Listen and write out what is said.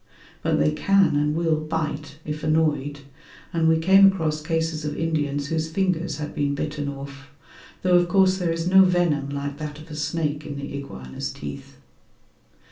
But they can and will bite, if annoyed, and we came across cases of Indians whose fingers had been bitten off, though of course there is no venom like that of a snake in the iguana's teeth.